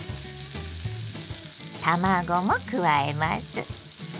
卵も加えます。